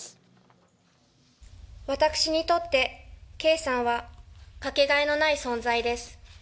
私にとって、圭さんはかけがえのない存在です。